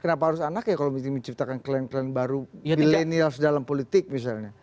kenapa harus anaknya kalau menciptakan klan klan baru milenial dalam politik misalnya